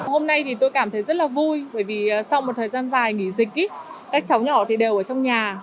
hôm nay thì tôi cảm thấy rất là vui bởi vì sau một thời gian dài nghỉ dịch các cháu nhỏ thì đều ở trong nhà